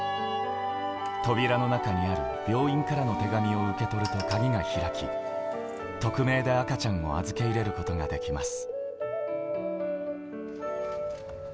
扉の中にある病院からの手紙を受け取ると鍵が開き、匿名で赤ちゃんを預け入れることができます。